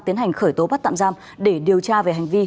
tiến hành khởi tố bắt tạm giam để điều tra về hành vi